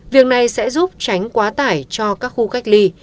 việc này sẽ giúp tránh quá tải cho các khu cách ly